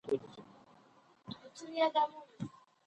که نجونې ښوونځي ته نه ځي، کورني اختلافات دوام کوي.